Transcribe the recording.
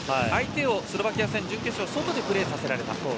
相手をスロバキア戦準決勝、外でプレーさせられた。